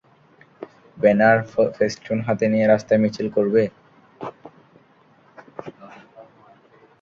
Banner, festoon হাতে নিয়ে রাস্তায় মিছিল করবে?